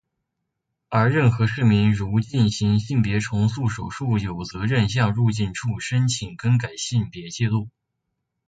而任何市民如进行性别重塑手术有责任向入境处申请更改性别纪录。